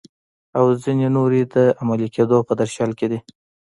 او ځینې نورې د عملي کیدو په درشل کې دي.